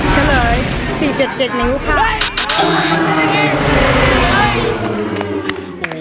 เชลย๔๗๗นิ้วครับ